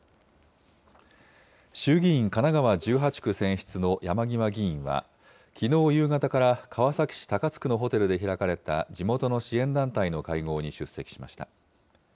衆議院神奈川１８区選出の山際議員は、きのう夕方から川崎市高津区のホテルで開かれた、地元の支援団体の会合に出席しました。